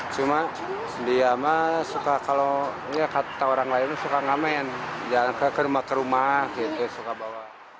cuman diama suka kalau ya kata orang lain suka ngamen jalan ke rumah ke rumah gitu suka bawa